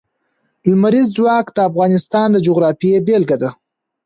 لمریز ځواک د افغانستان د جغرافیې بېلګه ده.